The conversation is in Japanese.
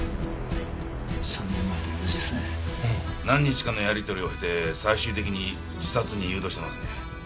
何日かのやりとりを経て最終的に自殺に誘導してますね。